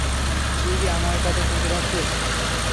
তুই কি আমার কথা শুনতে পাচ্ছিস?